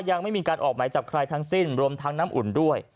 ยังไม่มีการออกหมายจับใครทั้งสิ้นรวมทั้งน้ำอุ่นด้วย